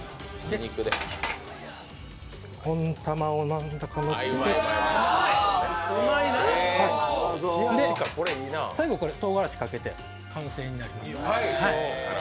温玉をのせて最後、とうがらしかけて完成になります。